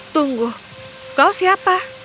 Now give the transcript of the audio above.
tunggu kau siapa